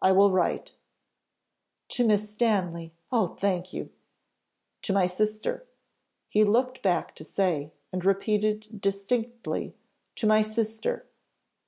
"I will write." "To Miss Stanley Oh, thank you." "To my sister," he looked back to say, and repeated distinctly, "To my sister."